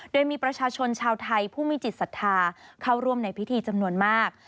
โดยมีประชาชนชาวไทยผู้มีจิตศรัทธาเข้าร่วมในพิธีจำนวนมาก